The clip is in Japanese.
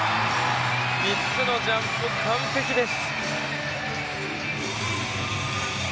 ３つのジャンプ完璧です。